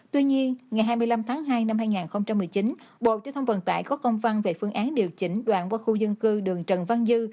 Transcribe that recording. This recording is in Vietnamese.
tuy nhiên ngày hai mươi năm tháng hai năm hai nghìn một mươi chín bộ giao thông vận tải có công văn về phương án điều chỉnh đoạn qua khu dân cư đường trần văn dư